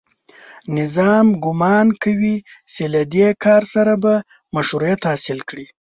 نظام ګومان کوي چې له دې کار سره به مشروعیت حاصل کړي